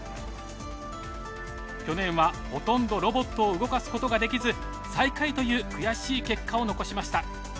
去年はほとんどロボットを動かすことができず最下位という悔しい結果を残しました。